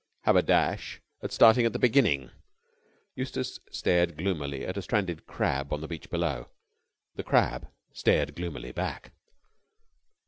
"Have a dash at starting at the beginning." Eustace stared gloomily at a stranded crab on the beach below. The crab stared gloomily back.